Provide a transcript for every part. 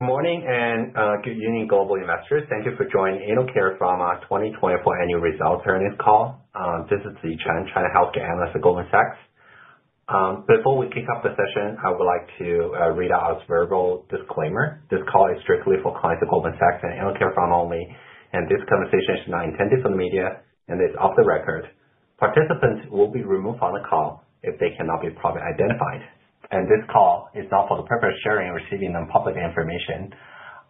Good morning and good evening, Global Investors. Thank you for joining InnoCare Pharma 2024 annual results earnings call. This is Ziyi Chen Healthcare Analyst at Goldman Sachs. Before we kick off the session, I would like to read out a verbal disclaimer. This call is strictly for clients of Goldman Sachs and InnoCare Pharma only, and this conversation is not intended for the media and is off the record. Participants will be removed from the call if they cannot be properly identified, and this call is not for the purpose of sharing or receiving nonpublic information.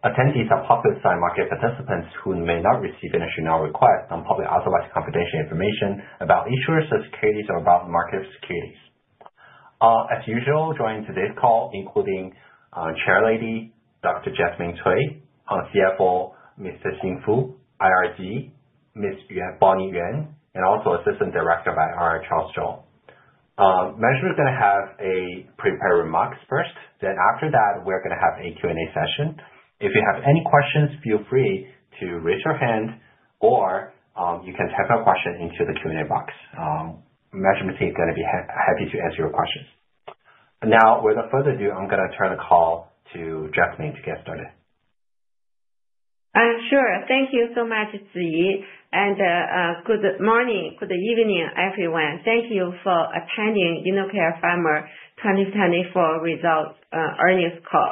Attendees are publicly signed market participants who may not receive an additional request on public otherwise confidential information about insurance or securities or about market securities. As usual, joining today's call, including Chairwoman, Dr. Jasmine Cui, CFO, Mr. Xin Fu, Head of Investor Relations, Ms. Bonnie Yuan, and also Assistant Director of IR, Charles Zhou. Measurement is going to have prepared remarks first. Then after that, we're going to have a Q&A session. If you have any questions, feel free to raise your hand or you can type a question into the Q&A box. Measurement team is going to be happy to answer your questions. Now, without further ado, I'm going to turn the call to Jasmine to get started. Sure. Thank you so much, Ziyi, and good morning, good evening, everyone. Thank you for attending InnoCare Pharma 2024 results earnings call.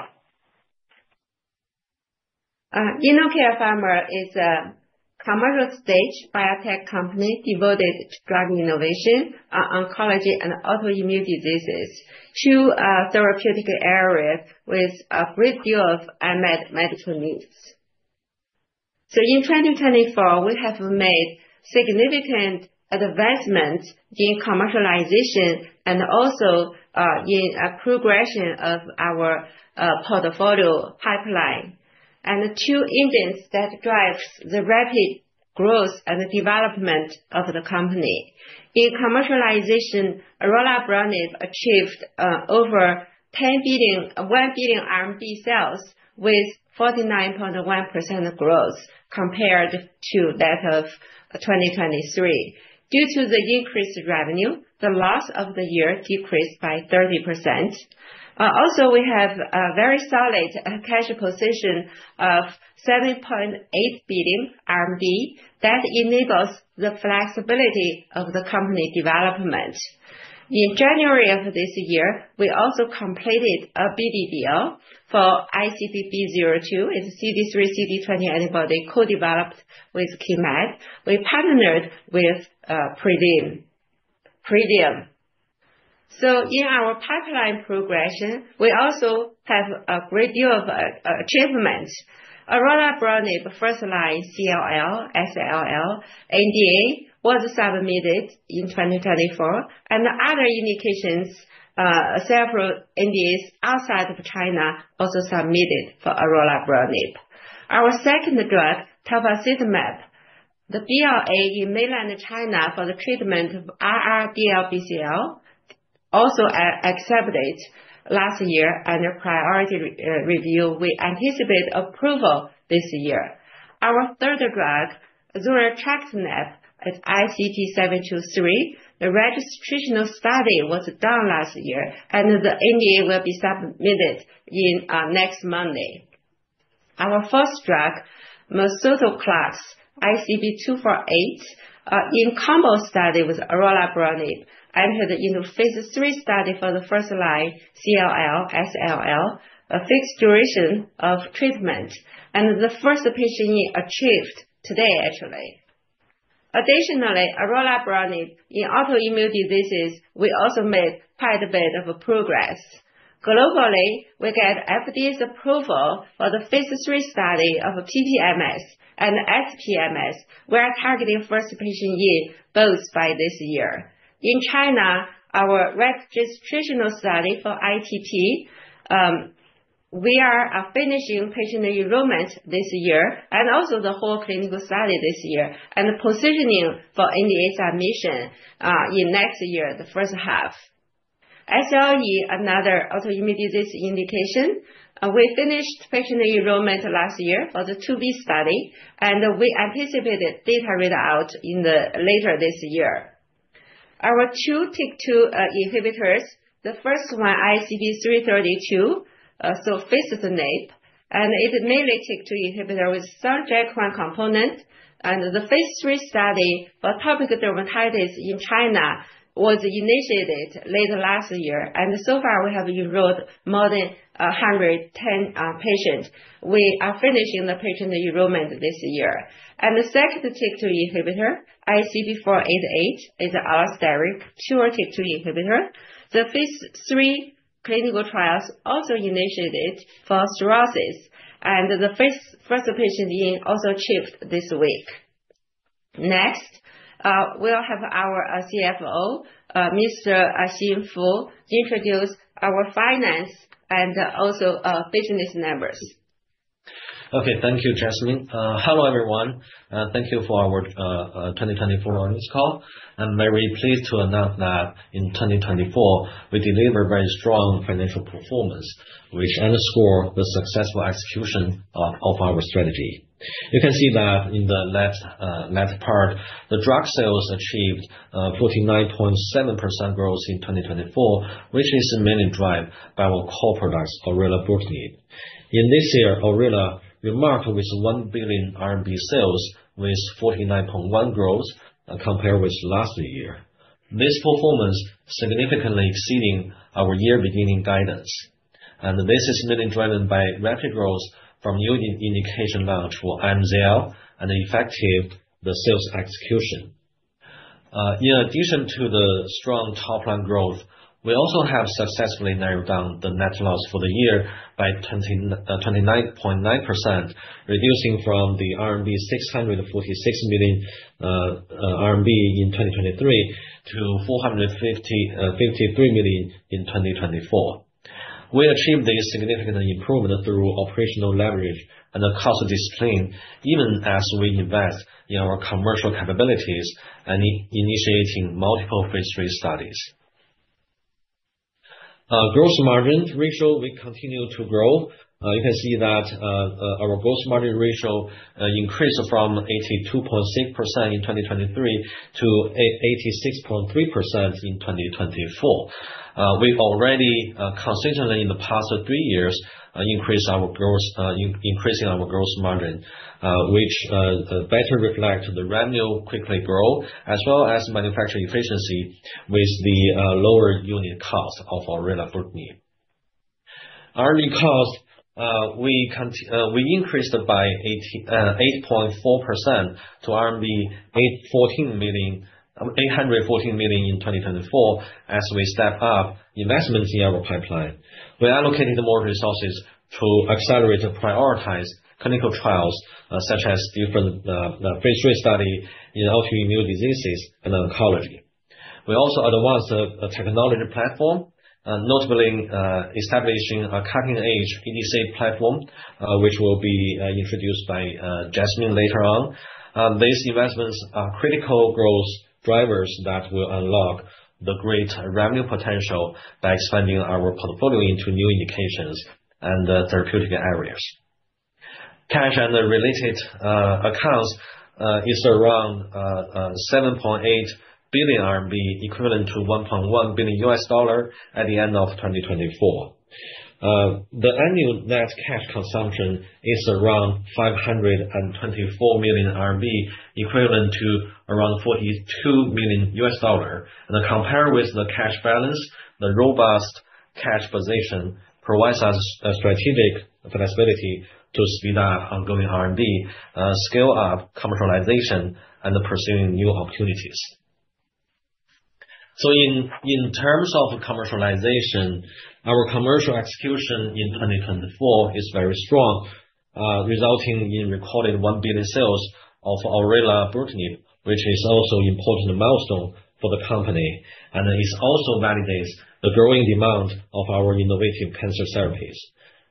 InnoCare Pharma is a commercial stage biotech company devoted to drug innovation, oncology, and autoimmune diseases, two therapeutic areas with a great deal of unmet medical needs. In 2024, we have made significant advancements in commercialization and also in a progression of our portfolio pipeline and two indices that drive the rapid growth and development of the company. In commercialization, Orelabrutinib achieved over 1 billion RMB sales with 49.1% growth compared to that of 2023. Due to the increased revenue, the loss of the year decreased by 30%. Also, we have a very solid cash position of RMB 7.8 billion that enables the flexibility of the company development. In January of this year, we also completed a BD deal for ICP-B02, it's a CD20xCD3 antibody co-developed with KeyMed. We partnered with Prolium. In our pipeline progression, we also have a great deal of achievement. Orelabrutinib first line CLL, SLL, NDA was submitted in 2024, and other indications, several NDAs outside of China also submitted for Orelabrutinib. Our second drug, Tafasitamab, the BLA in mainland China for the treatment of R/R DLBCL, also accepted last year under priority review. We anticipate approval this year. Our third drug, Zurletrectinib, it's ICP-723. The registration study was done last year, and the NDA will be submitted next Monday. Our fourth drug, Mesutoclax, ICP-248, in combo study with Orelabrutinib, entered into phase three study for the first line CLL, SLL, a fixed duration of treatment, and the first patient year achieved today, actually. Additionally, Orelabrutinib in autoimmune diseases, we also made quite a bit of progress. Globally, we got FDA's approval for the phase III study of PPMS and SPMS. We are targeting first patient in both by this year. In China, our registration study for ITP, we are finishing patient enrollment this year and also the whole clinical study this year and positioning for NDA submission in next year, the first half. SLE, another autoimmune disease indication, we finished patient enrollment last year for the 2B study, and we anticipated data readout later this year. Our two TYK2 inhibitors, the first one ICP-332, so phase NAPE, and it is mainly a TYK2 inhibitor with some JAK1 component, and the phase III study for Atopic Dermatitis in China was initiated late last year, and so far we have enrolled more than 110 patients. We are finishing the patient enrollment this year. The second TYK2 inhibitor, ICP-488, is our steric sure TYK2 inhibitor. The phase three clinical trials also initiated for psoriasis, and the first patient year also achieved this week. Next, we'll have our CFO, Mr. Xin Fu, introduce our finance and also business members. Okay, thank you, Jasmine. Hello, everyone. Thank you for our 2024 earnings call. I'm very pleased to announce that in 2024, we delivered very strong financial performance, which underscores the successful execution of our strategy. You can see that in the left part, the drug sales achieved 49.7% growth in 2024, which is mainly driven by our core product, Orelabrutinib. In this year, ORELA remarked with 1 billion RMB sales with 49.1% growth compared with last year. This performance significantly exceeded our year beginning guidance, and this is mainly driven by rapid growth from new indication launch for MZL and effective sales execution. In addition to the strong top line growth, we also have successfully narrowed down the net loss for the year by 29.9%, reducing from 646 million RMB in 2023 to 453 million in 2024. We achieved this significant improvement through operational leverage and the cost discipline, even as we invest in our commercial capabilities and initiating multiple phase three studies. Gross margin ratio, we continue to grow. You can see that our gross margin ratio increased from 82.6% in 2023 to 86.3% in 2024. We already consistently in the past three years increased our gross margin, which better reflects the revenue quickly growth as well as manufacturing efficiency with the lower unit cost of Orelabrutinib. R&D cost, we increased by 8.4% to 814 million in 2024 as we step up investments in our pipeline. We allocated more resources to accelerate and prioritize clinical trials such as different phase three studies in autoimmune diseases and oncology. We also advanced the technology platform, notably establishing a cutting-edge EDC platform, which will be introduced by Jasmine later on. These investments are critical growth drivers that will unlock the great revenue potential by expanding our portfolio into new indications and therapeutic areas. Cash and related accounts is around 7.8 billion RMB, equivalent to $1.1 billion at the end of 2024. The annual net cash consumption is around 524 million RMB, equivalent to around $42 million. Compared with the cash balance, the robust cash position provides us strategic flexibility to speed up ongoing R&D, scale up commercialization, and pursue new opportunities. In terms of commercialization, our commercial execution in 2024 is very strong, resulting in recorded 1 billion sales of Orelabrutinib, which is also an important milestone for the company and also validates the growing demand of our innovative cancer therapies.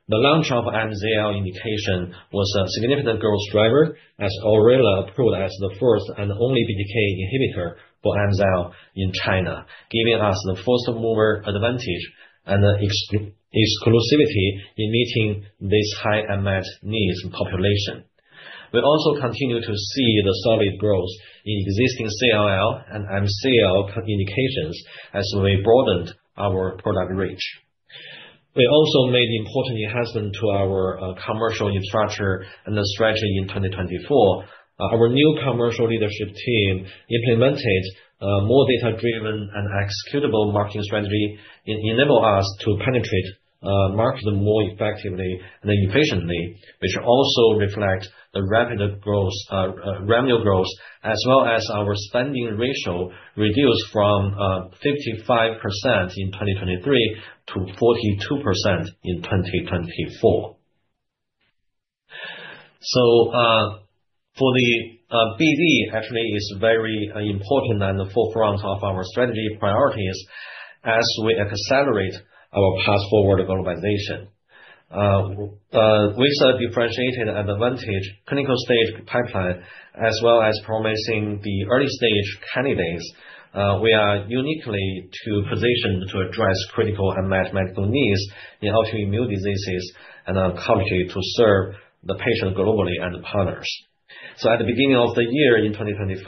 The launch of MZL indication was a significant growth driver as Orelabrutinib proved as the first and only BTK inhibitor for MZL in China, giving us the first mover advantage and exclusivity in meeting this high unmet needs population. We also continue to see the solid growth in existing CLL and MZL indications as we broadened our product reach. We also made important enhancements to our commercial infrastructure and the strategy in 2024. Our new commercial leadership team implemented a more data-driven and executable marketing strategy that enables us to penetrate markets more effectively and efficiently, which also reflects the rapid revenue growth as well as our spending ratio reduced from 55% in 2023 to 42% in 2024. For the BD, actually, it is very important and forefront of our strategy priorities as we accelerate our path forward of globalization. With a differentiated advantage clinical stage pipeline as well as promising the early stage candidates, we are uniquely positioned to address critical unmet medical needs in autoimmune diseases and our quality to serve the patient globally and partners. At the beginning of the year in 2025,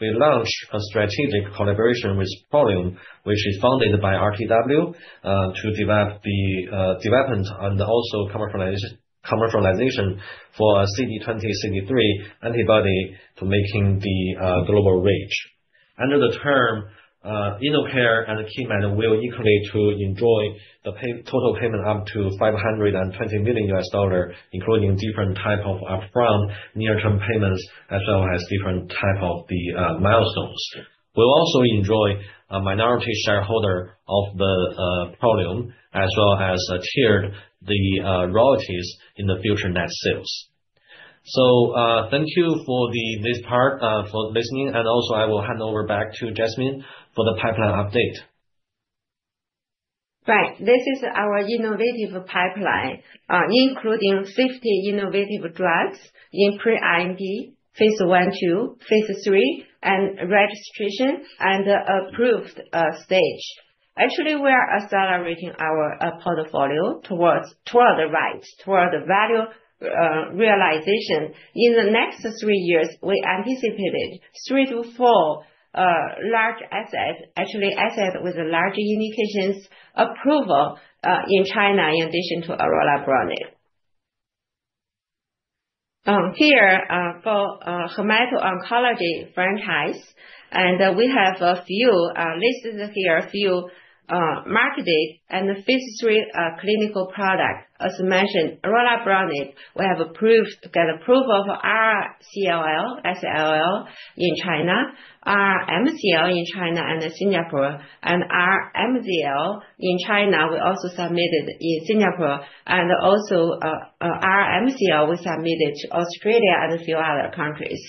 we launched a strategic collaboration with Prolium, which is founded by RTW, to develop the development and also commercialization for CD20xCD3 antibody to making the global reach. Under the term, InnoCare and KeyMed will equally enjoy the total payment up to $520 million, including different types of upfront near-term payments as well as different types of the milestones. We'll also enjoy a minority shareholder of Prolium as well as tiered the royalties in the future net sales. Thank you for this part for listening, and also I will hand over back to Jasmine for the pipeline update. Right. This is our innovative pipeline, including 50 innovative drugs in pre-IND, phase one, two, phase three, and registration and approved stage. Actually, we are accelerating our portfolio towards the right, toward the value realization. In the next three years, we anticipated three to four large assets, actually assets with large indications approval in China in addition to Orelabrutinib. Here, for hemato-oncology franchise, and we have a few listed here, a few marketed and phase three clinical products. As mentioned, Orelabrutinib, we have approved to get approval for our CLL, SLL in China, our MCL in China and Singapore, and our MZL in China. We also submitted in Singapore, and also our MCL we submitted to Australia and a few other countries.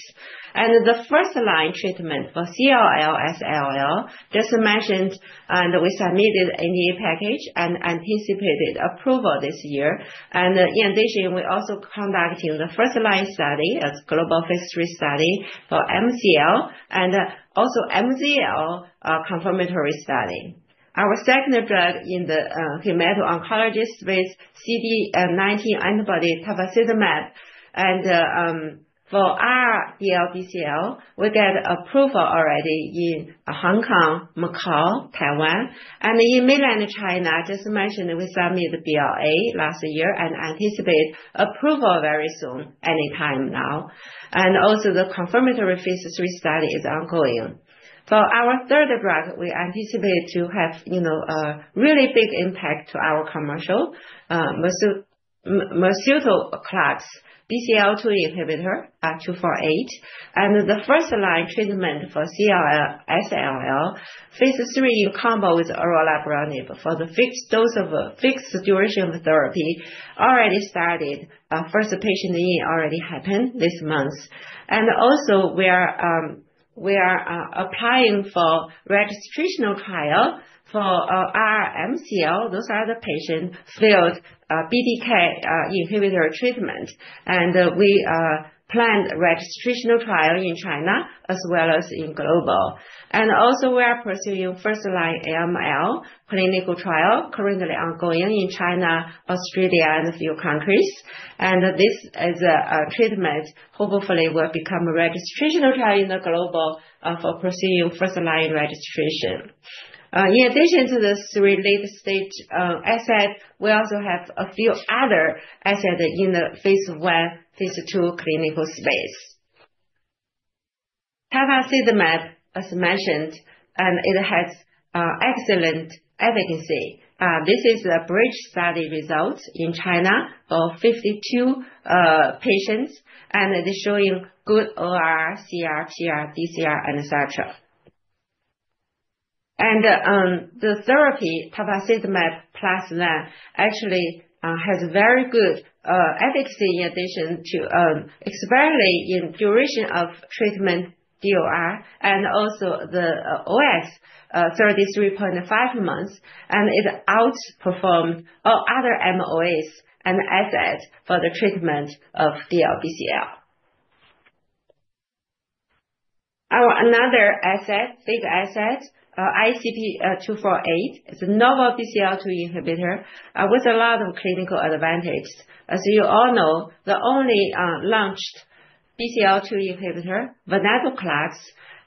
The first line treatment for CLL, SLL, just mentioned, and we submitted NDA package and anticipated approval this year. In addition, we're also conducting the first line study as global phase three study for MCL and also MZL confirmatory study. Our second drug in the hemato-oncology space, CD19 antibody Tafasitamab, and for our DLBCL, we got approval already in Hong Kong, Macau, Taiwan, and in mainland China. Just mentioned, we submitted BLA last year and anticipate approval very soon, anytime now. Also the confirmatory phase three study is ongoing. For our third drug, we anticipate to have a really big impact to our commercial Mesutoclax BCL2 inhibitor 248, and the first line treatment for CLL, SLL, phase three in combo with Orelabrutinib for the fixed dose of fixed duration of therapy already started. First patient year already happened this month. Also we are applying for registration trial for our MCL. Those are the patients failed BDK inhibitor treatment, and we planned registration trial in China as well as in global. We are pursuing first line AML clinical trial currently ongoing in China, Australia, and a few countries. This is a treatment, hopefully will become a registration trial in the global for pursuing first line registration. In addition to the three lead stage assets, we also have a few other assets in the phase one, phase two clinical space. Tafasitamab, as mentioned, and it has excellent efficacy. This is a bridge study result in China of 52 patients, and it is showing good OR, CR, TR, DCR, and et cetera. The therapy, Tafasitamab plus then, actually has very good efficacy in addition to expiry in duration of treatment DOR and also the OS 33.5 months, and it outperformed all other MOAs and assets for the treatment of DLBCL. Our another asset, big asset, ICP-248, is a novel BCL2 inhibitor with a lot of clinical advantages. As you all know, the only launched BCL2 inhibitor, Venetoclax,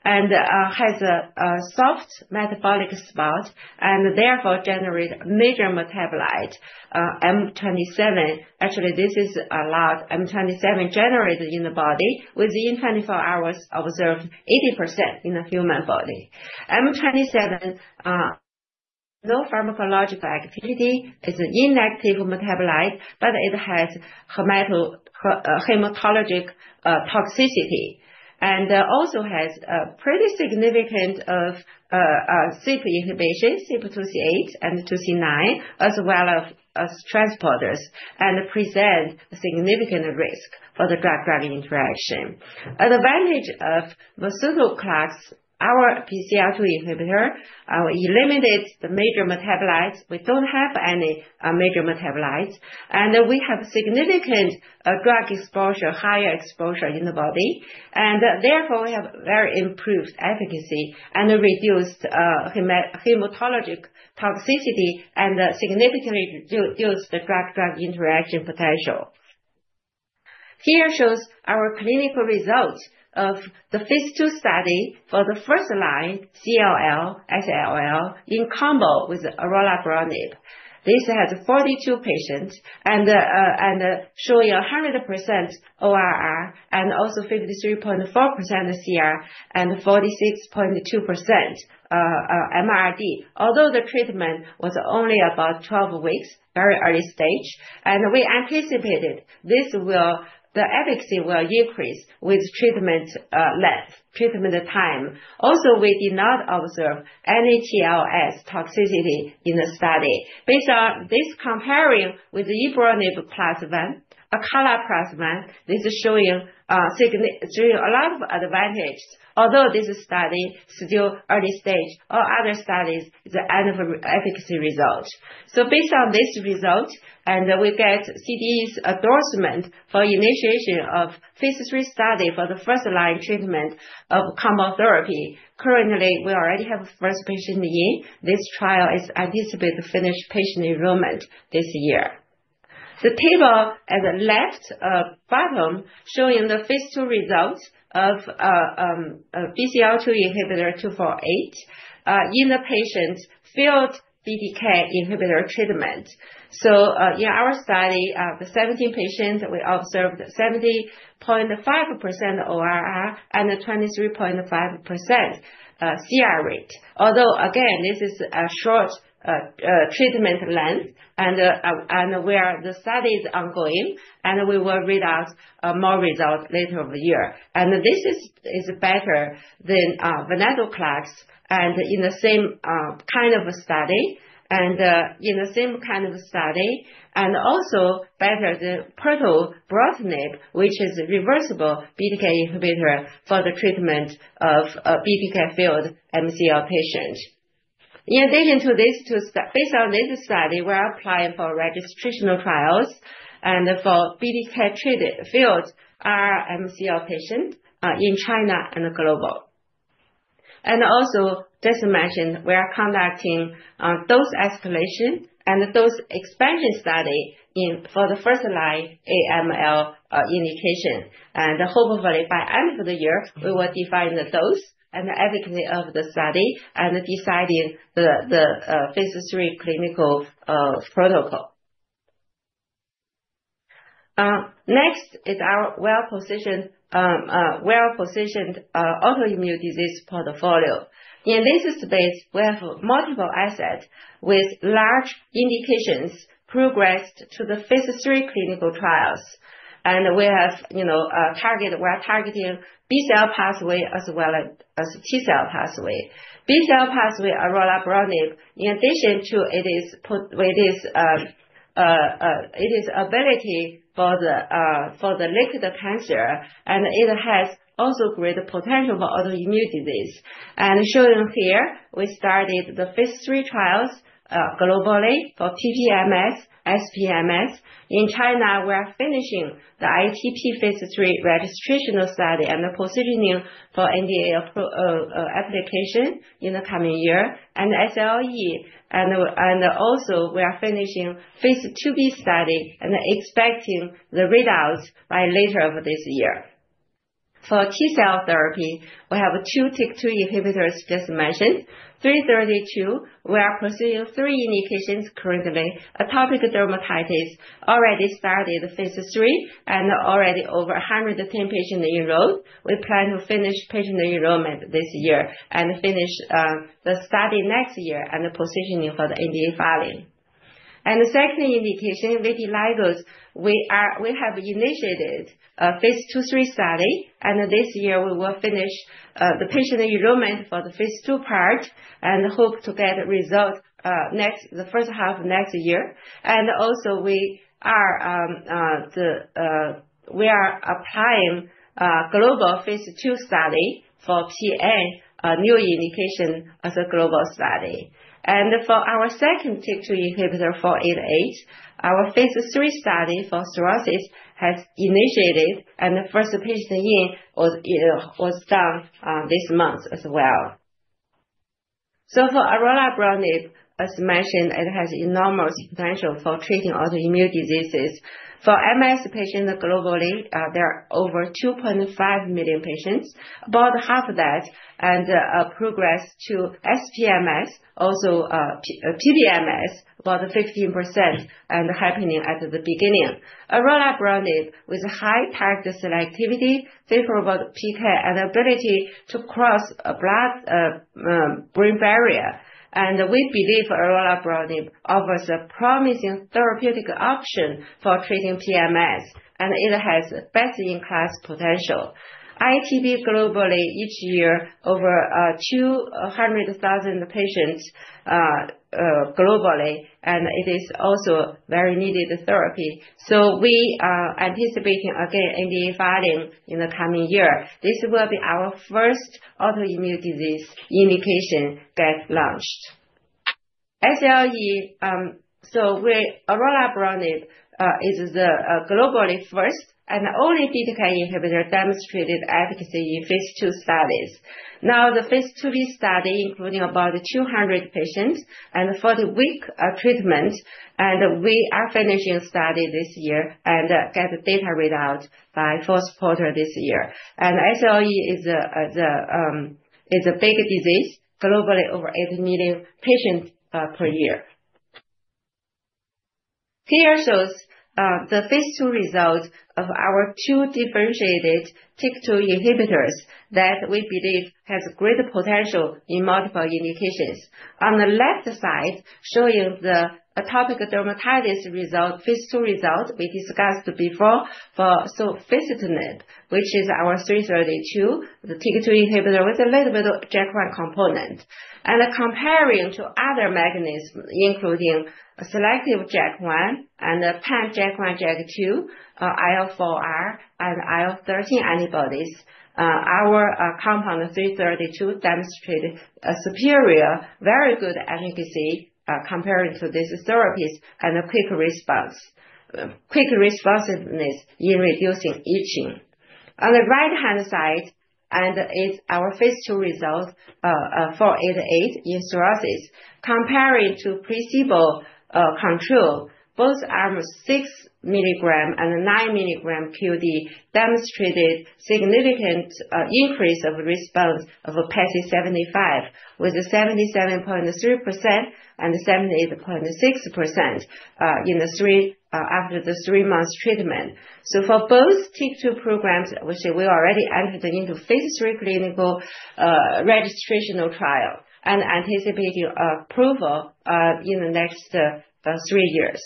has a soft metabolic spot and therefore generates major metabolite M27. Actually, this is a lot M27 generated in the body within 24 hours observed 80% in the human body. M27, no pharmacological activity, is an inactive metabolite, but it has hematologic toxicity and also has pretty significant CP inhibition, CYP2C8 and CYP2C9, as well as transporters and presents a significant risk for the drug-driving interaction. Advantage of Mesutoclax, our BCL2 inhibitor, eliminates the major metabolites. We don't have any major metabolites, and we have significant drug exposure, higher exposure in the body, and therefore we have very improved efficacy and reduced hematologic toxicity and significantly reduced the drug-drug interaction potential. Here shows our clinical results of the phase two study for the first line CLL, SLL in combo with Orelabrutinib. This has 42 patients and showing 100% ORR and also 53.4% CR and 46.2% MRD, although the treatment was only about 12 weeks, very early stage, and we anticipated this will, the efficacy will increase with treatment length, treatment time. Also, we did not observe any TLS toxicity in the study. Based on this comparing with Ibrutinib plus one, Acalabrutinib plus one, this is showing a lot of advantage, although this study is still early stage. All other studies is the end of efficacy result. Based on this result, and we get CDE's endorsement for initiation of phase three study for the first line treatment of Combo Therapy. Currently, we already have a first patient year. This trial is anticipated to finish patient enrollment this year. The table at the left bottom showing the phase two result of BCL2 inhibitor 248 in the patients failed BDK inhibitor treatment. In our study, the 17 patients, we observed 70.5% ORR and 23.5% CR rate, although again, this is a short treatment length and where the study is ongoing and we will read out more results later of the year. This is better than Venetoclax and in the same kind of study and in the same kind of study and also better than Pirtobrutinib, which is a reversible BDK inhibitor for the treatment of BDK failed MCL patients. In addition to these two, based on this study, we're applying for registration trials and for BDK failed MCL patients in China and global. Also, just mentioned, we are conducting dose escalation and dose expansion study for the first line AML indication. Hopefully, by end of the year, we will define the dose and the efficacy of the study and deciding the phase three clinical protocol. Next is our well-positioned autoimmune disease portfolio. In this space, we have multiple assets with large indications progressed to the phase three clinical trials. We have targeted, we're targeting BCL pathway as well as TCL pathway. BCL pathway Orelabrutinib, in addition to its ability for the liquid cancer, and it has also great potential for autoimmune disease. Showing here, we started the phase three trials globally for PPMS, SPMS. In China, we are finishing the ITP phase three registration study and the positioning for NDA application in the coming year and SLE. Also, we are finishing phase 2B study and expecting the readouts by later of this year. For TCL therapy, we have two TYK2 inhibitors just mentioned. 332, we are pursuing three indications currently. Atopic Dermatitis already started phase three and already over 110 patients enrolled. We plan to finish patient enrollment this year and finish the study next year and the positioning for the NDA filing. The second indication, vitiligo, we have initiated phase two three study, and this year we will finish the patient enrollment for the phase two part and hope to get results next, the first half of next year. Also, we are applying global phase two study for PA new indication as a global study. For our second TYK2 inhibitor 488, our phase three study for cirrhosis has initiated, and the first patient year was done this month as well. For Orelabrutinib, as mentioned, it has enormous potential for treating autoimmune diseases. For MS patients globally, there are over 2.5 million patients, about half that progress to SPMS, also PPMS, about 15% and happening at the beginning. Orelabrutinib with high target selectivity, favorable PK, and ability to cross a blood-brain barrier. We believe Orelabrutinib offers a promising therapeutic option for treating PMS, and it has best-in-class potential. ITP globally each year, over 200,000 patients globally, and it is also very needed therapy. We are anticipating again NDA filing in the coming year. This will be our first autoimmune disease indication get launched. Orelabrutinib is the globally first and only BTK inhibitor demonstrated efficacy in phase two studies. Now the phase two study including about 200 patients and 40 week treatment, and we are finishing study this year and get data readout by four supporters this year. SLE is a big disease globally, over eight million patients per year. Here shows the phase two result of our two differentiated TYK2 inhibitors that we believe has great potential in multiple indications. On the left side, showing the Atopic Dermatitis result, phase two result we discussed before for Soficitinib, which is our 332, the TYK2 inhibitor with a little bit of JAK1 component. Comparing to other mechanisms, including selective JAK1 and pan-JAK1/JAK2, IL4R, and IL13 antibodies, our compound 332 demonstrated a superior, very good efficacy comparing to these therapies and a quick responsiveness in reducing itching. On the right-hand side, and it's our phase two result 488 in cirrhosis. Comparing to placebo control, both arms 6 milligram and 9 milligram QD demonstrated significant increase of response of a PESI 75 with 77.3% and 78.6% in the three after the three months treatment. For both TYK2 programs, which we already entered into phase three clinical registration trial and anticipating approval in the next three years.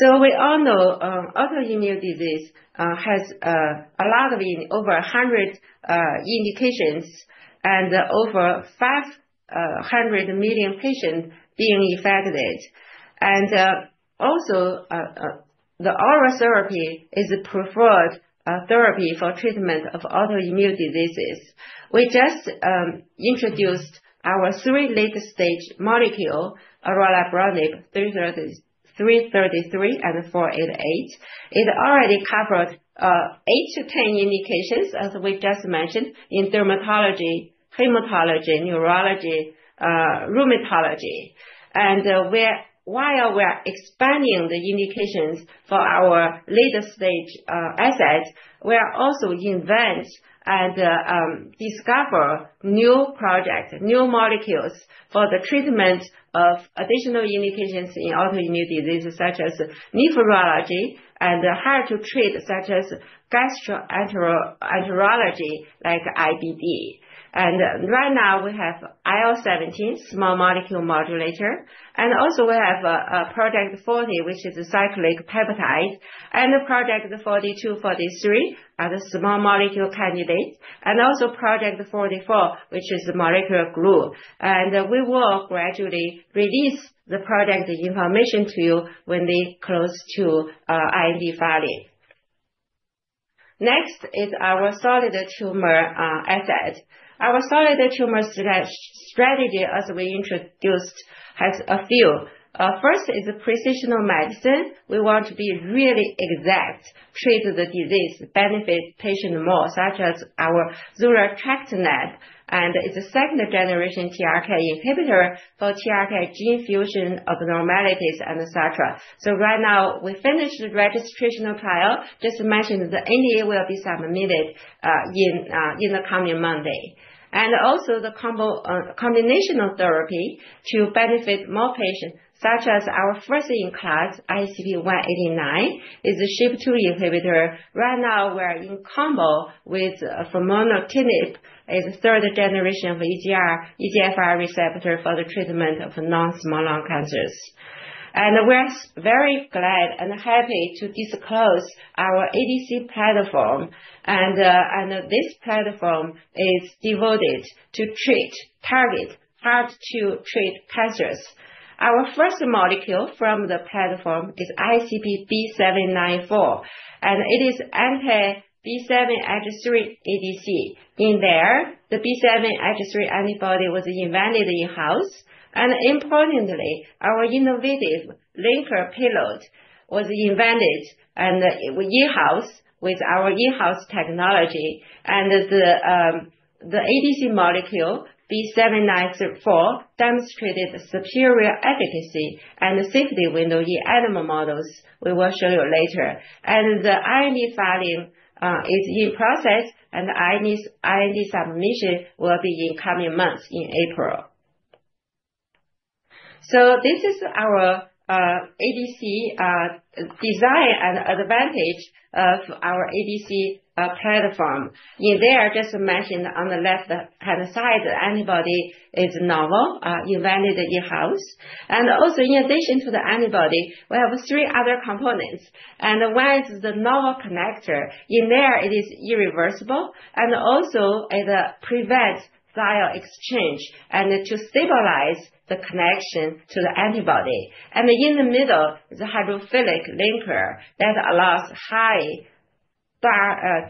We all know autoimmune disease has a lot of over 100 indications and over 500 million patients being affected. Also, the oral therapy is a preferred therapy for treatment of autoimmune diseases. We just introduced our three lead stage molecule, Orelabrutinib 333 and 488. It already covered 8-10 indications, as we just mentioned, in dermatology, hematology, neurology, rheumatology. While we are expanding the indications for our lead stage asset, we are also invent and discover new projects, new molecules for the treatment of additional indications in autoimmune diseases such as nephrology and how to treat such as gastroenterology like IBD. Right now, we have IL17, small molecule modulator, and also we have a project 40, which is a cyclic peptide, and project 42, 43 are the small molecule candidates, and also project 44, which is a molecular glue. We will gradually release the project information to you when they close to IND filing. Next is our solid tumor asset. Our solid tumor strategy, as we introduced, has a few. First is precision medicine. We want to be really exact, treat the disease, benefit patient more, such as our Zurletrectinib, and it's a second generation TRK inhibitor for TRK gene fusion abnormalities, and et cetera. Right now, we finished the registration trial, just mentioned the NDA will be submitted in the coming Monday. Also, the combinational therapy to benefit more patients, such as our first in class, ICP-189, is a SHP2 inhibitor. Right now, we are in combo with Formotinib, is third generation of EGFR receptor for the treatment of non-small lung cancers. We are very glad and happy to disclose our ADC platform, and this platform is devoted to treat, target hard-to-treat cancers. Our first molecule from the platform is ICP-B794, and it is anti-B7-H3 ADC. In there, the B7-H3 antibody was invented in-house, and importantly, our innovative linker pillow was invented in-house with our in-house technology, and the ADC molecule B794 demonstrated superior efficacy and safety window in animal models. We will show you later. The IND filing is in process, and the IND submission will be in coming months in April. This is our ADC design and advantage of our ADC platform. In there, just mentioned on the left-hand side, the antibody is novel, invented in-house. Also, in addition to the antibody, we have three other components. One is the novel connector. In there, it is irreversible, and also it prevents dial exchange and to stabilize the connection to the antibody. In the middle, the hydrophilic linker allows high DAR,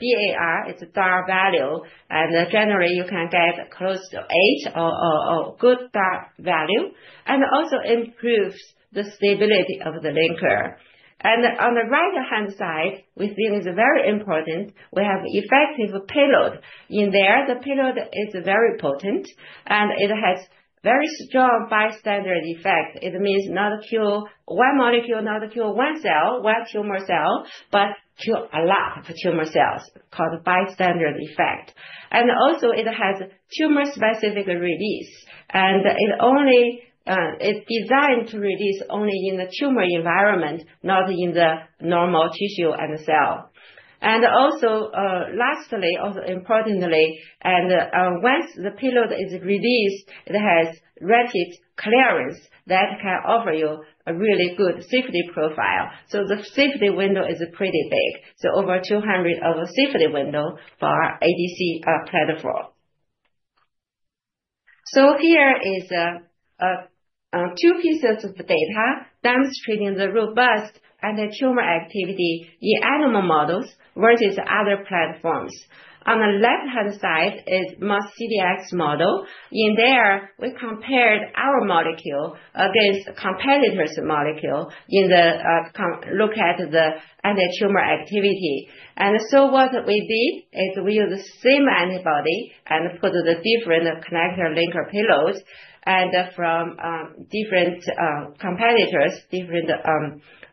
it's a DAR value, and generally you can get close to eight or good DAR value, and also improves the stability of the linker. On the right-hand side, we think it's very important, we have effective payload in there. The payload is very potent, and it has very strong bystander effect. It means not kill one molecule, not kill one cell, one tumor cell, but kill a lot of tumor cells called bystander effect. It also has tumor specific release, and it's designed to release only in the tumor environment, not in the normal tissue and cell. Lastly, also importantly, once the payload is released, it has rated clearance that can offer you a really good safety profile. The safety window is pretty big. Over 200 of a safety window for our ADC platform. Here is two pieces of data demonstrating the robust anti-tumor activity in animal models versus other platforms. On the left-hand side is most CDX model. In there, we compared our molecule against competitors' molecule in the look at the anti-tumor activity. What we did is we use the same antibody and put the different connector linker payloads and from different competitors, different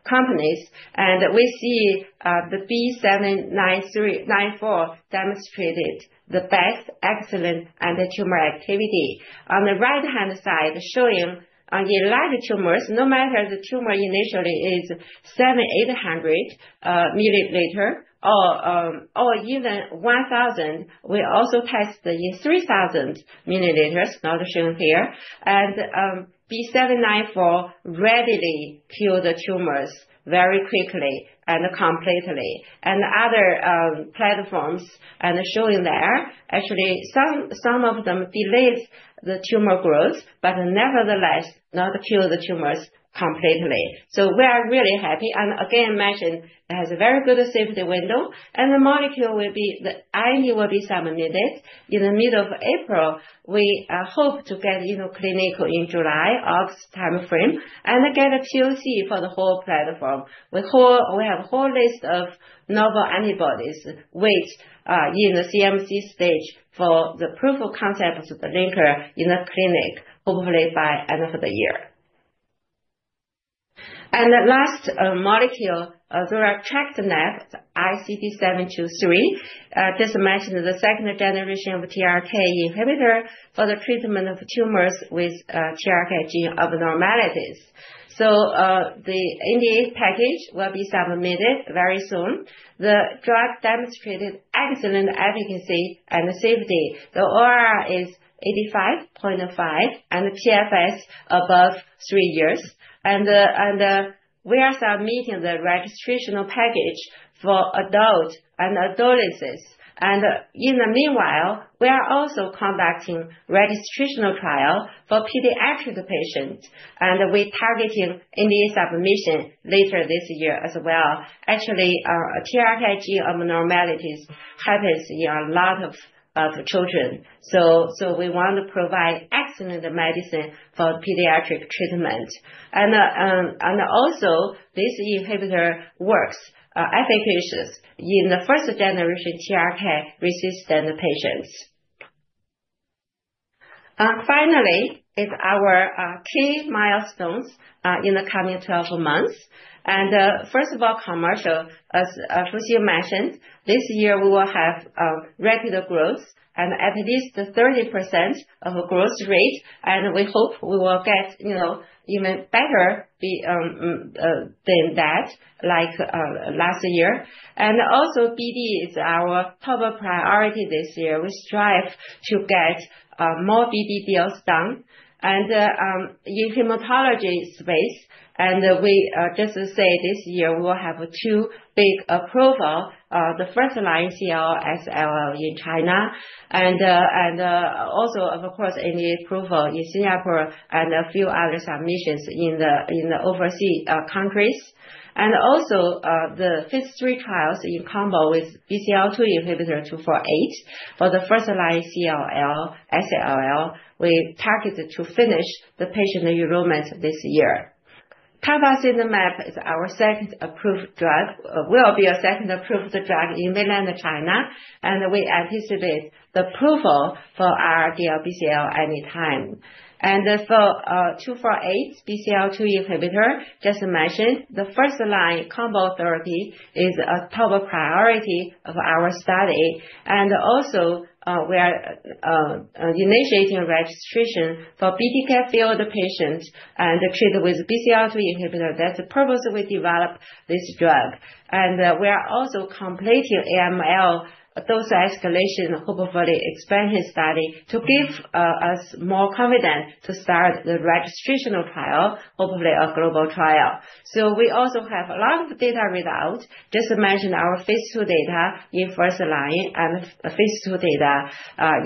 companies. We see the B794 demonstrated the best excellent anti-tumor activity. On the right-hand side, showing on the large tumors, no matter the tumor initially is 7,800 mL or even 1,000, we also test the 3,000 mL, not shown here. B794 readily killed the tumors very quickly and completely. Other platforms and showing there actually some of them delayed the tumor growth, but nevertheless not killed the tumors completely. We are really happy. Again, mentioned it has a very good safety window, and the molecule will be, the IND will be submitted in the middle of April. We hope to get clinical in July, August timeframe, and get a POC for the whole platform. We have a whole list of novel antibodies wait in the CMC stage for the proof of concept of the linker in the clinic, hopefully by end of the year. The last molecule, ICP-723, just mentioned the second generation of TRK inhibitor for the treatment of tumors with TRK gene abnormalities. The NDA package will be submitted very soon. The drug demonstrated excellent efficacy and safety. The ORR is 85.5% and PFS above three years. We are submitting the registration package for adult and adolescents. In the meanwhile, we are also conducting registration trial for pediatric patients, and we're targeting NDA submission later this year as well. Actually, TRK gene abnormalities happen in a lot of children. We want to provide excellent medicine for pediatric treatment. Also, this inhibitor works efficacious in the first generation TRK resistant patients. Finally, it's our key milestones in the coming 12 months. First of all, commercial, as Fu mentioned, this year we will have rapid growth and at least 30% of a growth rate. We hope we will get even better than that, like last year. Also, BD is our top priority this year. We strive to get more BD deals done. In hematology space, we just say this year we will have two big approval, the first line CLL SLL in China, and also, of course, NDA approval in Singapore and a few other submissions in the overseas countries. Also, the phase three trials in combo with BCL2 inhibitor ICP-248 for the first line CLL SLL, we targeted to finish the patient enrollment this year. Tafasitamab is our second approved drug, will be a second approved drug in mainland China, and we anticipate the approval for our DLBCL anytime. For ICP-248 BCL2 inhibitor, just mentioned the first line combo therapy is a top priority of our study. Also, we are initiating registration for BTK field patients and treated with BCL2 inhibitor. That's the purpose we developed this drug. We are also completing AML dose escalation, hopefully expansion study to give us more confidence to start the registration trial, hopefully a global trial. We also have a lot of data result, just mentioned our phase two data in first line and phase two data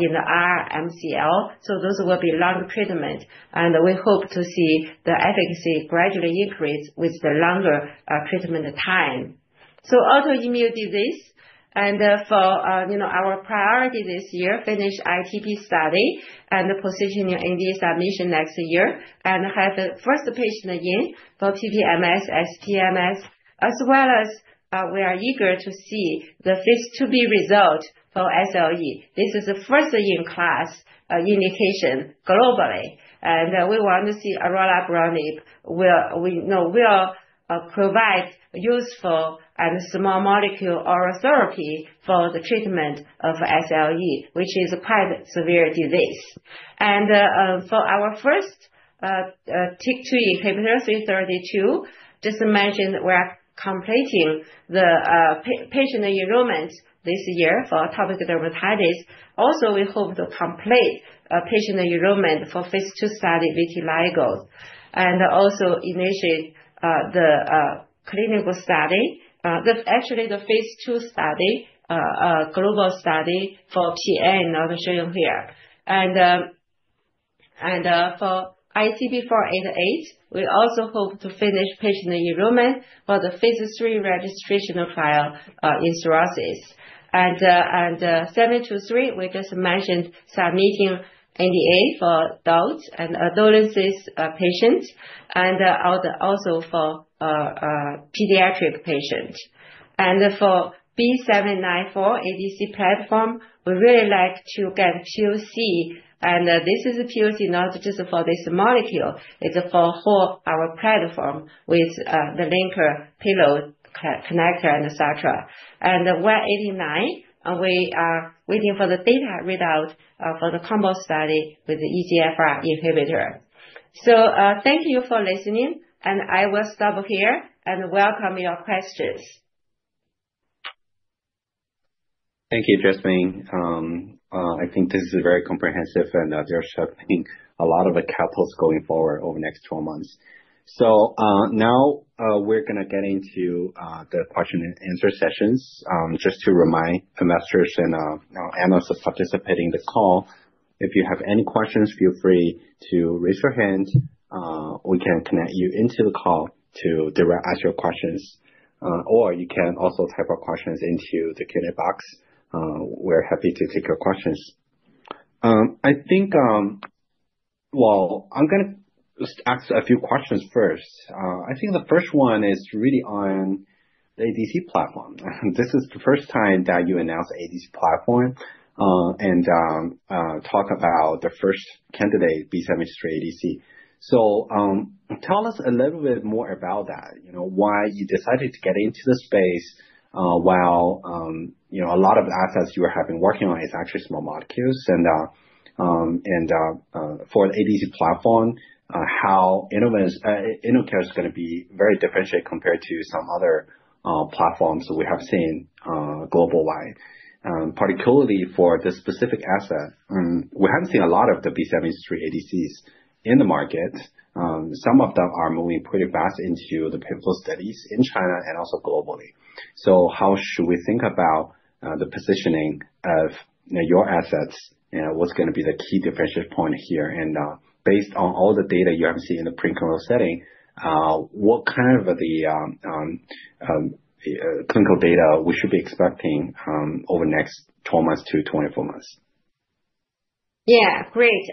in the RMCL. Those will be long treatment, and we hope to see the efficacy gradually increase with the longer treatment time. Autoimmune disease, and for our priority this year, finish ITP study and positioning NDA submission next year, and have the first patient again for PPMS, SPMS, as well as we are eager to see the phase 2B result for SLE. This is the first in class indication globally, and we want to see Orelabrutinib, we will provide useful and small molecule oral therapy for the treatment of SLE, which is quite a severe disease. For our first TYK2 inhibitor 332, just mentioned we are completing the patient enrollment this year for Atopic Dermatitis. Also, we hope to complete patient enrollment for phase two study vitiligo. Also, initiate the clinical study, actually the phase two study, global study for PN, not showing here. For ICP-488, we also hope to finish patient enrollment for the phase three registration trial in psoriasis. ICP-723, we just mentioned submitting NDA for adult and adolescent patients, and also for pediatric patients. For ICP-B794 ADC platform, we really like to get POC, and this is a POC not just for this molecule, it is for our whole platform with the linker payload connector and et cetera. 189, we are waiting for the data readout for the combo study with the EGFR inhibitor. Thank you for listening, and I will stop here and welcome your questions. Thank you, Jasmine. I think this is very comprehensive, and there should be a lot of the catalysts going forward over the next 12 months. Now we're going to get into the question and answer sessions. Just to remind investors and analysts participating in the call, if you have any questions, feel free to raise your hand. We can connect you into the call to direct ask your questions, or you can also type your questions into the Q&A box. We're happy to take your questions. I think, I am going to ask a few questions first. I think the first one is really on the ADC platform. This is the first time that you announced ADC platform and talk about the first candidate B7-H3 ADC. Tell us a little bit more about that, why you decided to get into the space while a lot of assets you were having working on is actually small molecules. For the ADC platform, how InnoCare is going to be very differentiated compared to some other platforms we have seen global wide, particularly for this specific asset. We haven't seen a lot of the B7-H3 ADCs in the market. Some of them are moving pretty fast into the pivotal studies in China and also globally. How should we think about the positioning of your assets? What's going to be the key differentiate point here? Based on all the data you have seen in the preclinical setting, what kind of clinical data should we be expecting over the next 12-24 months? Yeah, great.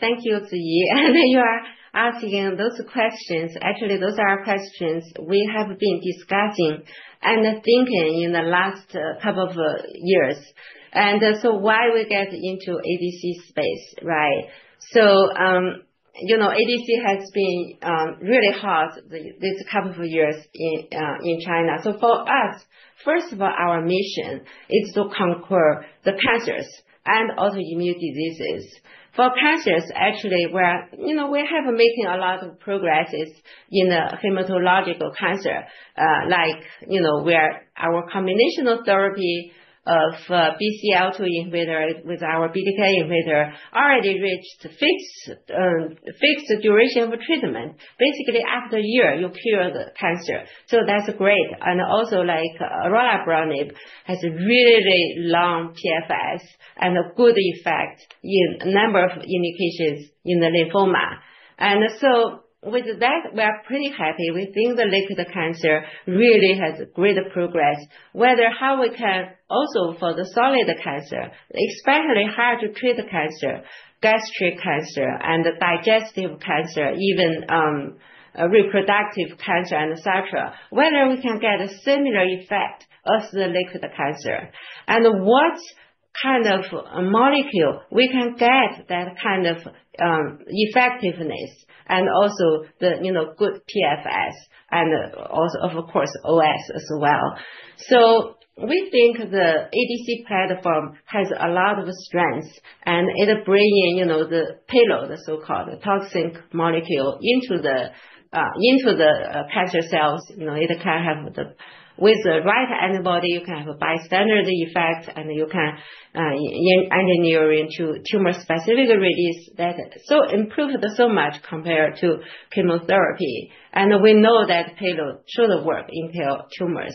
Thank you, Ziyi. You are asking those questions. Actually, those are questions we have been discussing and thinking in the last couple of years. Why we get into ADC space, right? ADC has been really hot these couple of years in China. For us, first of all, our mission is to conquer the cancers and autoimmune diseases. For cancers, actually, we have made a lot of progress in the hematological cancer, like where our combinational therapy of BCL2 inhibitor with our BTK inhibitor already reached fixed duration of treatment. Basically, after a year, you cure the cancer. That's great. Also, like Orelabrutinib has really long PFS and a good effect in a number of indications in the lymphoma. With that, we are pretty happy. We think the liquid cancer really has great progress, whether how we can also for the solid cancer, especially hard to treat cancer, gastric cancer, and digestive cancer, even reproductive cancer, and et cetera, whether we can get a similar effect as the liquid cancer. What kind of molecule we can get that kind of effectiveness and also the good PFS and also, of course, OS as well. We think the ADC platform has a lot of strength, and it brings in the payload, so-called toxic molecule into the cancer cells. It can have the, with the right antibody, you can have a bystander effect, and you can engineer into tumor specific release. Improved so much compared to chemotherapy. We know that payload should work in tumors.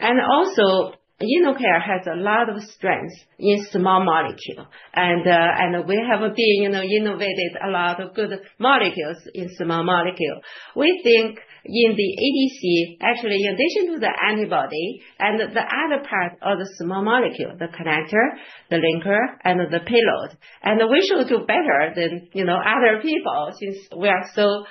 Also, InnoCare has a lot of strength in small molecule. We have been innovating a lot of good molecules in small molecule. We think in the ADC, actually, in addition to the antibody and the other part of the small molecule, the connector, the linker, and the payload. We should do better than other people since we have so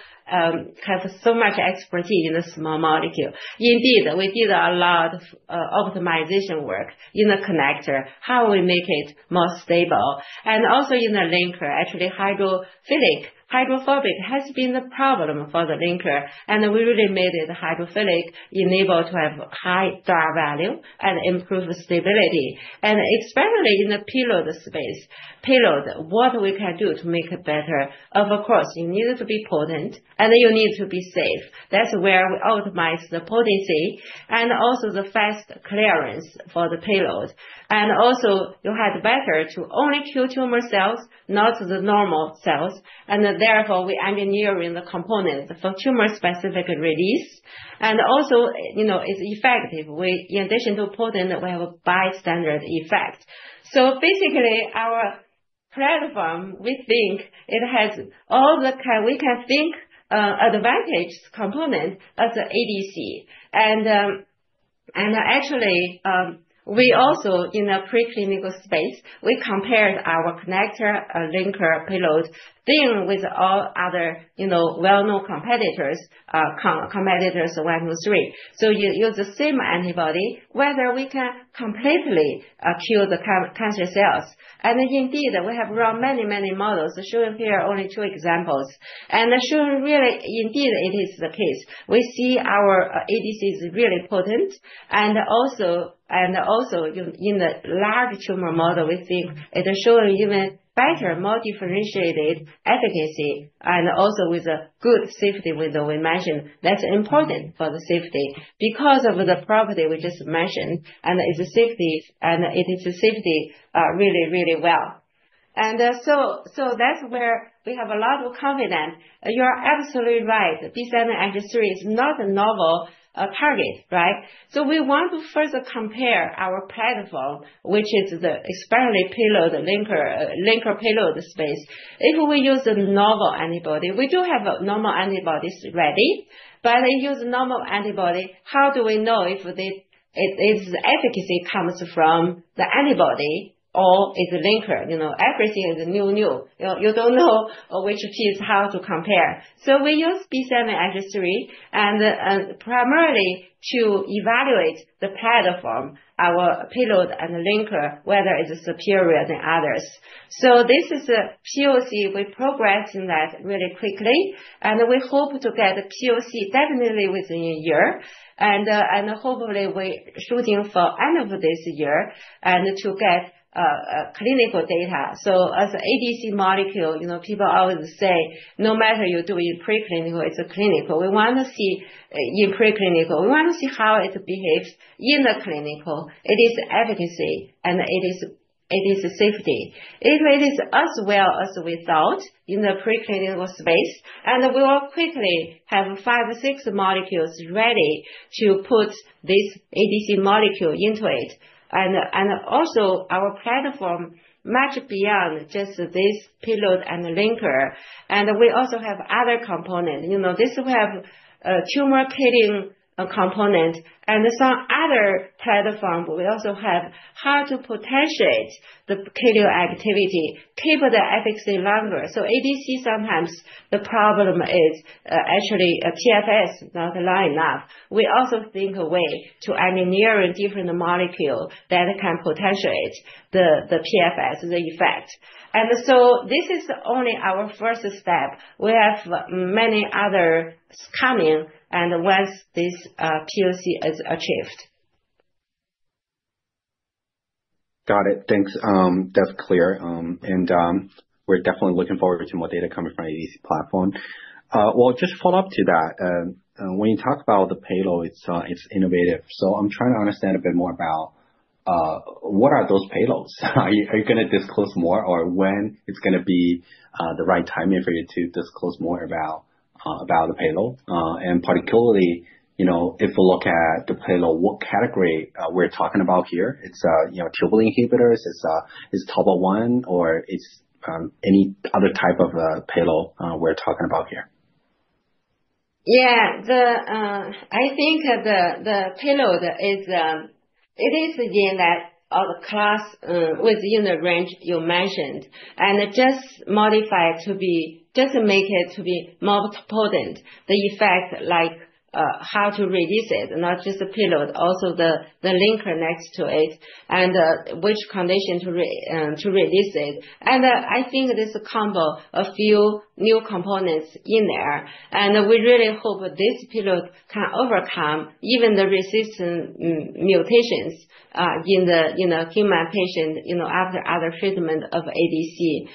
much expertise in the small molecule. Indeed, we did a lot of optimization work in the connector, how we make it more stable. Also in the linker, actually, hydrophilic, hydrophobic has been the problem for the linker. We really made it hydrophilic, enabled to have high drug value and improve stability. Especially in the payload space, payload, what we can do to make it better. Of course, you need to be potent, and you need to be safe. That's where we optimize the potency and also the fast clearance for the payload. You had better to only kill tumor cells, not the normal cells. Therefore, we engineer the components for tumor specific release. Also, it is effective. In addition to potent, we have a bystander effect. Basically, our platform, we think it has all the we can think advantage component as ADC. Actually, we also in the preclinical space, we compared our connector, linker, payload thing with all other well-known competitors, competitors one to three. You use the same antibody, whether we can completely kill the cancer cells. Indeed, we have run many, many models. I'll show you here only two examples. I'll show you really, indeed, it is the case. We see our ADC is really potent. Also, in the large tumor model, we think it is showing even better, more differentiated efficacy. Also, with a good safety window we mentioned, that's important for the safety because of the property we just mentioned. It is a safety, and it is a safety really, really well. That is where we have a lot of confidence. You are absolutely right. B7-H3 is not a novel target, right? We want to further compare our platform, which is especially the payload linker payload space. If we use a novel antibody, we do have novel antibodies ready, but they use a novel antibody. How do we know if the efficacy comes from the antibody or is the linker? Everything is new, new. You do not know which piece how to compare. We use B7-H3 primarily to evaluate the platform, our payload and linker, whether it is superior than others. This is a POC. We progress in that really quickly. We hope to get a POC definitely within a year. Hopefully, we're shooting for end of this year to get clinical data. As an ADC molecule, people always say, no matter if you're doing preclinical, it's clinical. We want to see in preclinical, we want to see how it behaves in the clinical. It is efficacy, and it is safety. It is as well as we thought in the preclinical space. We will quickly have five or six molecules ready to put this ADC molecule into it. Also, our platform is much beyond just this payload and linker. We also have other components. This will have a tumor killing component. Some other platforms, we also have how to potentiate the killing activity, keep the efficacy longer. ADC sometimes, the problem is actually a PFS not long enough. We also think a way to engineer a different molecule that can potentiate the PFS, the effect. This is only our first step. We have many others coming, and once this POC is achieved. Got it. Thanks. That's clear. We're definitely looking forward to more data coming from ADC platform. Just follow up to that. When you talk about the payload, it's innovative. I'm trying to understand a bit more about what are those payloads? Are you going to disclose more, or when is it going to be the right timing for you to disclose more about the payload? Particularly, if we look at the payload, what category are we talking about here? It's tubal inhibitors, it's tobalone, or it's any other type of payload we're talking about here? Yeah. I think the payload is, it is in that other class within the range you mentioned. Just modify it to be, just make it to be more potent, the effect, like how to release it, not just the payload, also the linker next to it, and which condition to release it. I think this combo of few new components in there. We really hope this payload can overcome even the resistant mutations in the human patient after other treatment of ADC.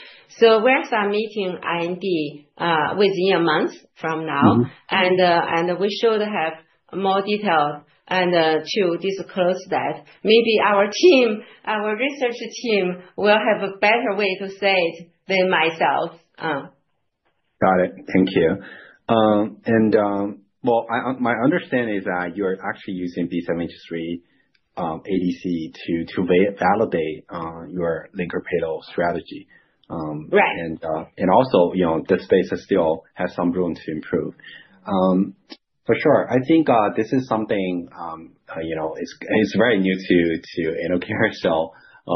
We are submitting IND within a month from now. We should have more detail to disclose that. Maybe our team, our research team will have a better way to say it than myself. Got it. Thank you. My understanding is that you are actually using B7-H3 ADC to validate your linker payload strategy. Also, this space still has some room to improve. For sure. I think this is something it's very new to InnoCare, so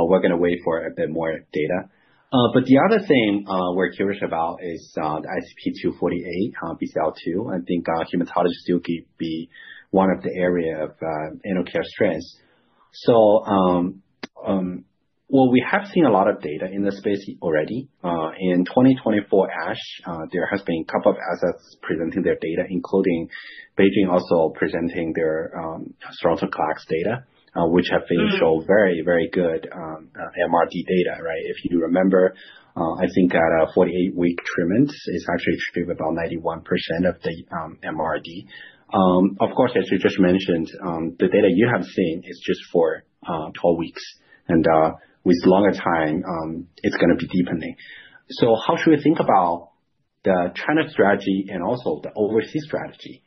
we're going to wait for a bit more data. The other thing we're curious about is the ICP-248 BCL2. I think hematology still could be one of the areas of InnoCare's strengths. We have seen a lot of data in the space already. In 2024 ASH, there has been a couple of assets presenting their data, including Beijin also presenting their sonrotoclax data, which have been showed very, very good MRD data, right? If you remember, I think at a 48-week treatment, it's actually treated about 91% of the MRD. Of course, as you just mentioned, the data you have seen is just for 12 weeks. With longer time, it's going to be deepening. How should we think about the China strategy and also the overseas strategy?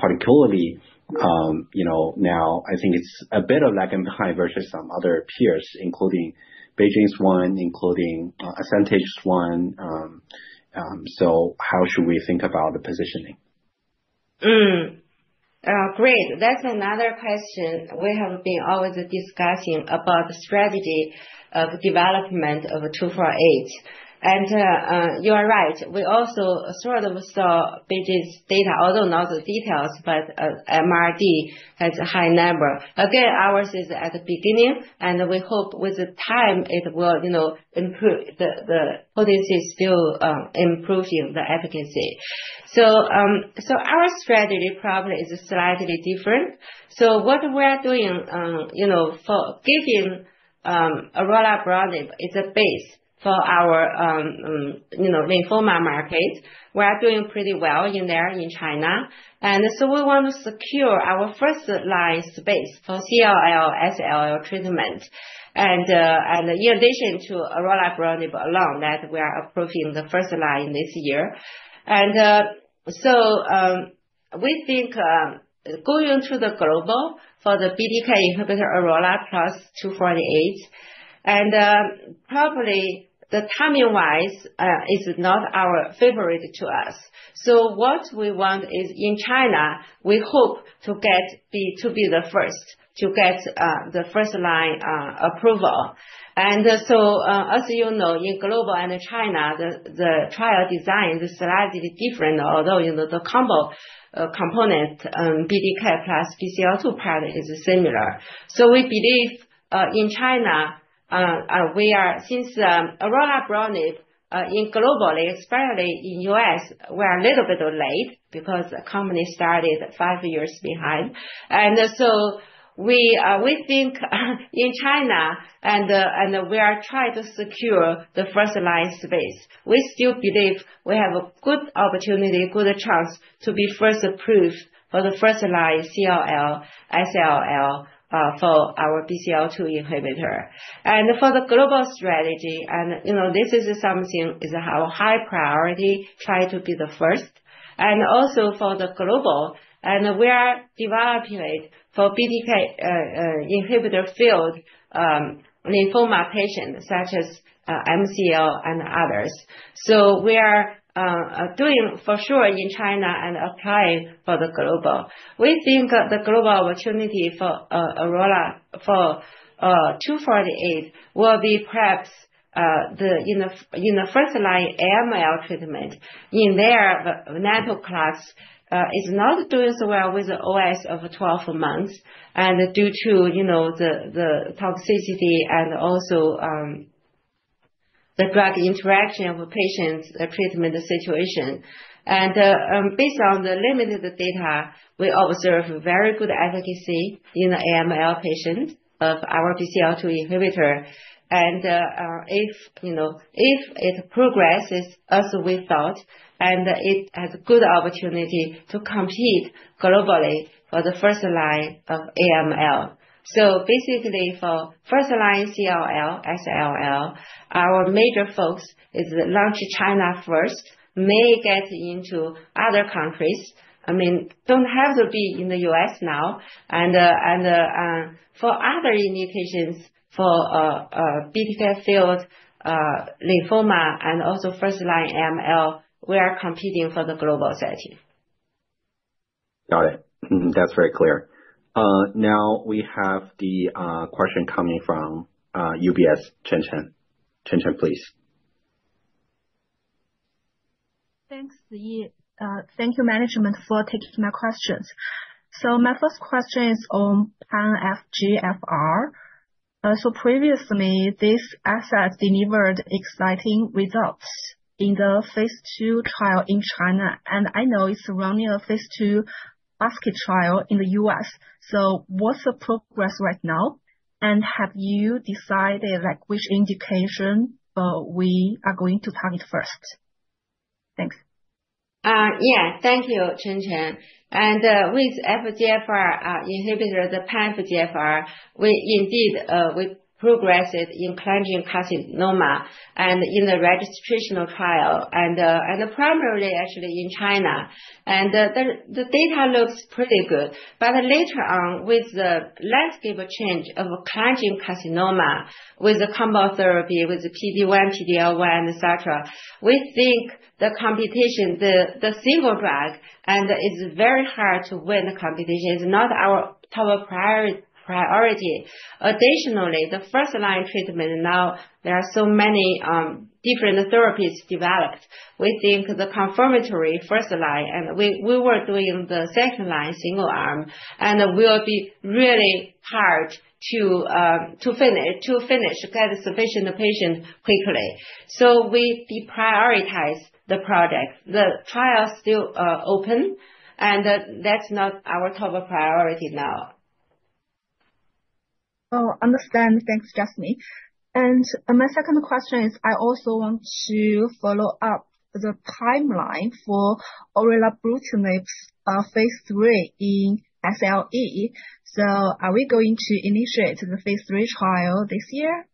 Particularly now, I think it's a bit of lagging behind versus some other peers, including Beijing's one, including Asante's one. How should we think about the positioning? Great. That's another question we have been always discussing about the strategy of development of 248. You are right. We also sort of saw Beijing's data, although not the details, but MRD has a high number. Again, ours is at the beginning, and we hope with the time it will improve. The potency is still improving the efficacy. Our strategy probably is slightly different. What we are doing for giving Orelabrutinib is a base for our lymphoma market. We are doing pretty well in there in China. We want to secure our first line space for CLL, SLL treatment. In addition to Orelabrutinib alone, we are approving the first line this year. We think going into the global for the BTK inhibitor Orelabrutinib plus ICP-248. Probably the timing-wise is not our favorite to us. What we want is in China, we hope to be the first to get the first line approval. As you know, in global and China, the trial design is slightly different, although the combo component BTK plus BCL2 part is similar. We believe in China, since Orelabrutinib globally, especially in the U.S., we are a little bit late because the company started five years behind. We think in China, and we are trying to secure the first line space. We still believe we have a good opportunity, good chance to be first approved for the first line CLL, SLL for our BCL2 inhibitor. For the global strategy, this is something that is a high priority, try to be the first. Also for the global, we are developing it for BTK inhibitor field lymphoma patients such as MCL and others. We are doing for sure in China and applying for the global. We think the global opportunity for Arola for ICP-248 will be perhaps in the first line AML treatment. In there, Nanoclass is not doing so well with the OS of 12 months and due to the toxicity and also the drug interaction of patients, the treatment situation. Based on the limited data, we observe very good efficacy in the AML patient of our BCL2 inhibitor. If it progresses as we thought, it has a good opportunity to compete globally for the first line of AML. Basically, for first line CLL, SLL, our major focus is launch China first, may get into other countries. I mean, do not have to be in the U.S. now. For other indications for BDK field lymphoma and also first line AML, we are competing for the global setting. Got it. That is very clear. Now we have the question coming from UBS Chen Chen. Chen Chen, please. Thanks, Ziyi. Thank you, management, for taking my questions. My first question is on pan-FGFR. Previously, this asset delivered exciting results in the phase two trial in China. I know it is running a phase two basket trial in the U.S.. What is the progress right now? Have you decided which indication we are going to target first? Thanks. Yeah. Thank you, Chen Chen. With FGFR inhibitor, the Pan-FGFR, we indeed progressed in Cholangiocarcinoma and in the registrational trial, and primarily actually in China. The data looks pretty good. Later on, with the landscape change of Cholangiocarcinoma with combo therapy with PD-1, PD-L1, etc., we think the competition, the single drug, and it's very hard to win the competition. It's not our top priority. Additionally, the first line treatment, now there are so many different therapies developed. We think the confirmatory first line, and we were doing the second line single arm, and we will be really hard to finish, to finish, get sufficient patient quickly. We deprioritize the project. The trial is still open, and that's not our top priority now. Oh, understand. Thanks, Jasmine. My second question is, I also want to follow up the timeline for Orelabrutinib's phase three in SLE. Are we going to initiate the phase three trial this year?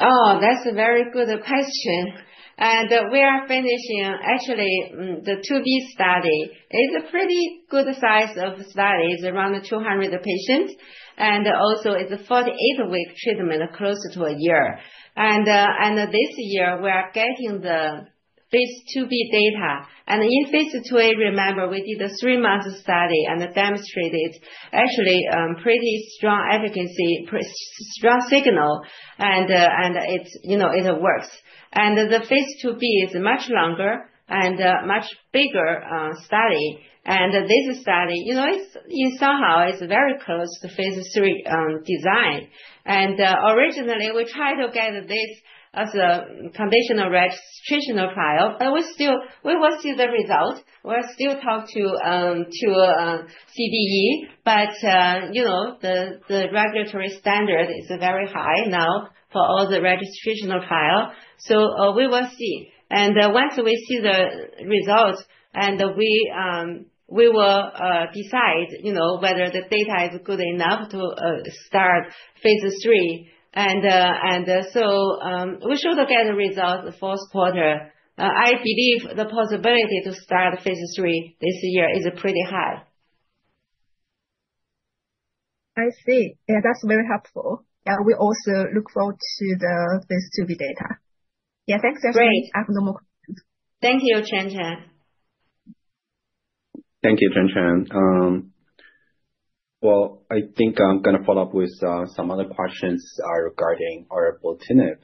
Oh, that's a very good question. We are finishing actually the 2B study. It's a pretty good size of study. It's around 200 patients. Also, it's a 48-week treatment, close to a year. This year, we are getting the phase 2B data. In phase 2A, remember, we did a three-month study and demonstrated actually pretty strong efficacy, strong signal, and it works. The phase 2B is a much longer and much bigger study. This study, somehow, is very close to phase three design. Originally, we tried to get this as a conditional registrational trial. We will see the result. We'll still talk to CDE, but the regulatory standard is very high now for all the registrational trial. We will see. Once we see the result, we will decide whether the data is good enough to start phase three. We should get a result in the fourth quarter. I believe the possibility to start phase three this year is pretty high. I see. Yeah, that's very helpful. Yeah, we also look forward to the phase 2B data. Yeah, thanks, Jasmine. I have no more questions. Thank you, Chen Chen. Thank you, Chen Chen. I think I'm going to follow up with some other questions regarding Orelabrutinib.